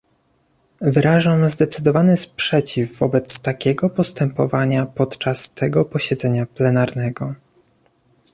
Wyrażam zdecydowany sprzeciw wobec takiego postępowania podczas tego posiedzenia plenarnego